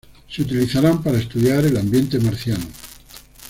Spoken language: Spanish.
Se utilizaran para estudiar el ambiente marciano.